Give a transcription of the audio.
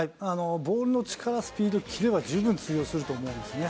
ボールの力、スピード、切れは十分通用すると思うんですね。